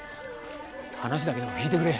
話だけでも聞いてくれ。